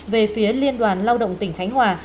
về phía liên đoàn lao động tỉnh khánh hòa